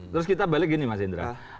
terus kita balik gini mas indra